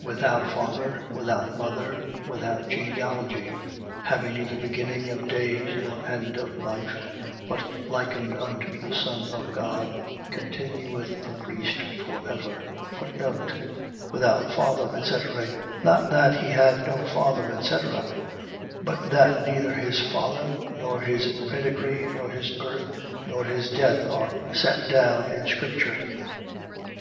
Without father, without mother, without genealogy, having neither beginning of days nor end of life, but likened unto the Son of God, continueth a priest for ever. Without father, etc. . .Not that he had no father, etc., but that neither his father, nor his pedigree, nor his birth, nor his death, are set down in scripture.